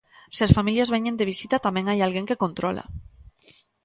Se as familias veñen de visita tamén hai alguén que controla.